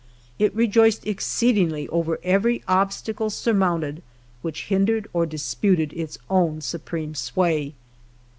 It rejoiced exceedingly over every obstacle surmounted which hindered or disputed its own supreme sway.